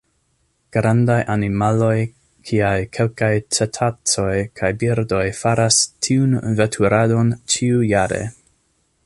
Grandaj animaloj kiaj kelkaj cetacoj kaj birdoj faras tiun veturadon ĉiujare.